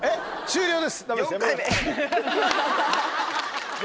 終了です。